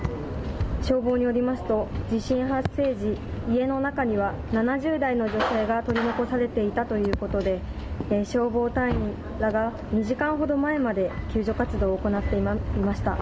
消防によりますと、地震発生時、家の中には７０代の女性が取り残されていたということで、消防隊員らが２時間ほど前まで救助活動を行っていました。